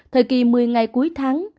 thời kỳ một mươi ngày cuối tháng